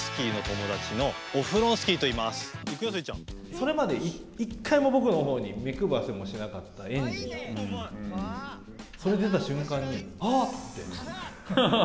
それまで１回も僕のほうに目くばせもしなかった園児、それ出た瞬間に、あって。